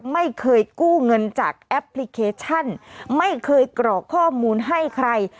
ไม่เคยกู้เงินจากแอปพลิเคชันไม่เคยกรอกข้อมูลให้ใคร